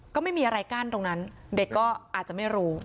ก็ไม่มีอะไรกั้นตรงนั้นเด็กก็อาจจะไม่รู้